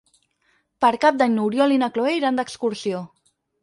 Per Cap d'Any n'Oriol i na Cloè iran d'excursió.